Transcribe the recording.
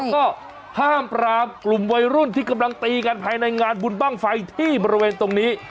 ก็ห้ามปรามกลุ่มวัยรุ่นที่กำลังตีกันภายในงานบุญบ้างไฟที่บริเวณตรงนี้